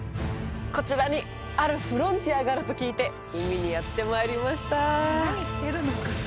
こちらにあるフロンティアがあると聞いて海にやってまいりました